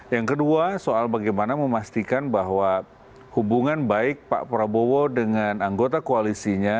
yang kedua soal bagaimana memastikan bahwa hubungan baik pak prabowo dengan anggota koalisinya